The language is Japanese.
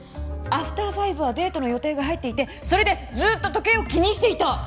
アフター５はデートの予定が入っていてそれでずっと時計を気にしていた！